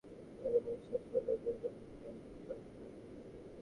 অর্জুনের বিশ্বাস হল, দুর্যোধন ভেল্কিবাজী ভাবলে।